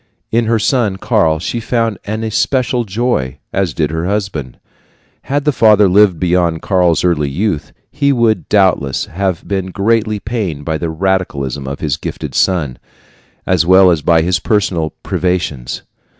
In her son Karl she found an especial joy, as did her husband. Had the father lived beyond Karl's early youth, he would doubtless have been greatly pained by the radicalism of his gifted son, as well as by his personal privations.